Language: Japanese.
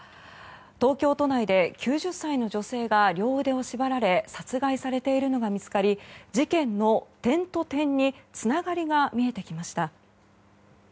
東京都内で９０歳の女性が両腕を縛られ殺害されているのが見つかり事件の点と点につながりが見えてきました。